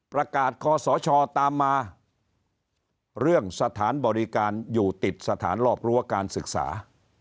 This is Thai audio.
คอสชตามมาเรื่องสถานบริการอยู่ติดสถานรอบรั้วการศึกษา